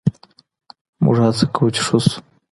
موږ هڅه کوو چې ښه شو.